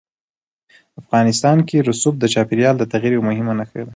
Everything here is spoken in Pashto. افغانستان کې رسوب د چاپېریال د تغیر یوه مهمه نښه ده.